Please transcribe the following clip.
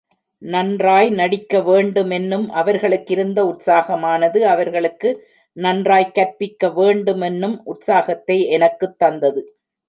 நன்றாய் நடிக்க வேண்டுமென்னும் அவர்களுக்கிருந்த ஊக்கமானது, அவர்களுக்கு நன்றாய்க் கற்பிக்க வேண்டுமென்னும் உற்சாகத்தை எனக்குத் தந்தது.